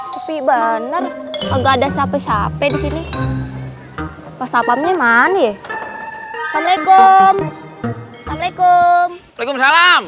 sepi baner agak ada siapa siapa disini pas apanya mani assalamualaikum waalaikumsalam